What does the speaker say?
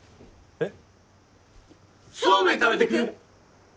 えっ？